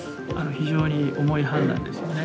非常に重い判断ですよね。